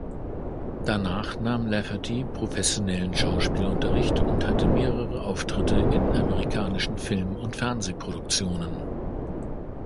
Danach nahm Lafferty professionellen Schauspielunterricht und hatte mehrere Auftritte in amerikanischen Film- und Fernsehproduktionen.